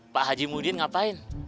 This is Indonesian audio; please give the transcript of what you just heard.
pak haji mudin ngapain